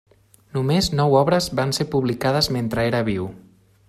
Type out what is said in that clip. Només nou obres van ser publicades mentre era viu.